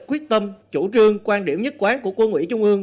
quyết tâm chủ trương quan điểm nhất quán của quân ủy trung ương